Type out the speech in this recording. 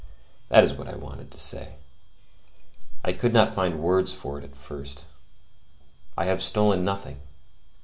This what I wanted to say; I could not find words for it at first. I have stolen nothing.